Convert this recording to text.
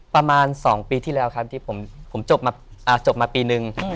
ประมาณ๒ปีที่แล้วครับที่ผมจบมาปีนึง